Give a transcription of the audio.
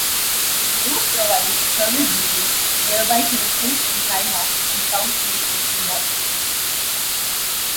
The route provides service between nearby Kingston and Plymouth and South Station in Boston.